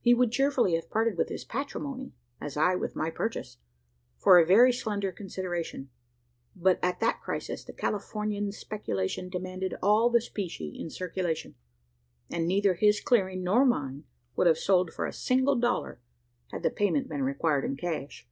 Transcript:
He would cheerfully have parted with his patrimony as I with my purchase for a very slender consideration; but, at that crisis, the Californian speculation demanded all the specie in circulation; and neither his clearing nor mine would have sold for a single dollar, had the payment been required in cash.